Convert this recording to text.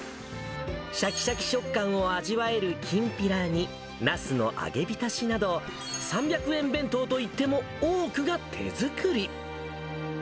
しゃきしゃき食感を味わえるきんぴらに、ナスの揚げびたしなど、３００円弁当といっても、多くが手作り。